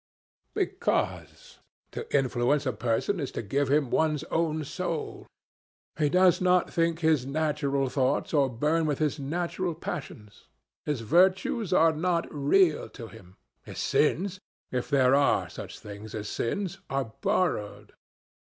"Because to influence a person is to give him one's own soul. He does not think his natural thoughts, or burn with his natural passions. His virtues are not real to him. His sins, if there are such things as sins, are borrowed.